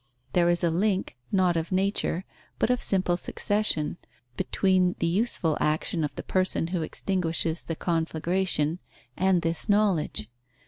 There is a link, not of nature, but of simple succession, between the useful action of the person who extinguishes the conflagration, and this knowledge.